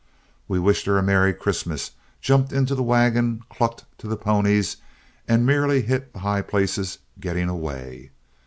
We wished her a merry Christmas, jumped into the wagon, clucked to the ponies, and merely hit the high places getting away.